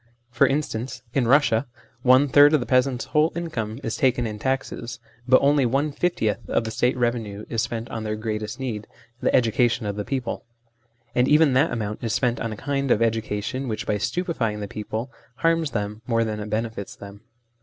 For instance, in Eussia one third of the peasants' whole income is taken in taxes, but only one fiftieth of the State revenue is spent on their greatest need, the education of the people ; and even that amount is spent on a kind of educa tion which, by stupefying the people, harms them more than it benefits them.